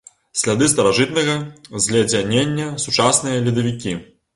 Сляды старажытнага зледзянення, сучасныя ледавікі.